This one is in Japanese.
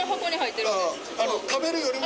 食べるよりも。